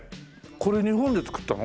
これ日本で作ったの？